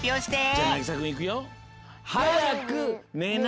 じゃあなぎさくんいくよ。